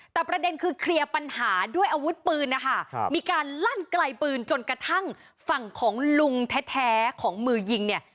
แต่ประเด็นคือเคลียร์ปัญหาด้วยอาวุธปืนนะคะมีการลั่นไกลปืนจนกระทั่งฝั่งของลุงแท้ของมือยิงเนี่ย